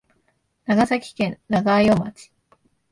長崎県長与町